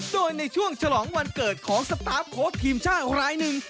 โดยในช่วงฉลองวันเกิดของสตาร์ฟโค้ชทีมชาติรายหนึ่ง